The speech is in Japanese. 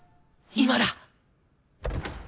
今だ！